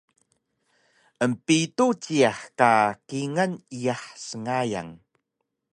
Empitu jiyax ka kingal iyax sngayan